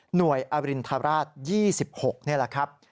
หน่วยอรินทราช๒๖นี่แหละครับ